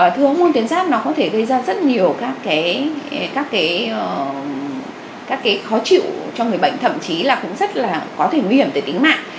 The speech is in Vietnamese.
thưa ông môn tuyến giáp nó có thể gây ra rất nhiều các khó chịu cho người bệnh thậm chí là cũng rất là có thể nguy hiểm tới tính mạng